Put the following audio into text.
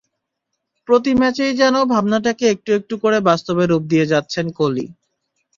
প্রতি ম্যাচেই যেন ভাবনাটাকে একটু একটু করে বাস্তবে রূপ দিয়ে যাচ্ছেন কোহলি।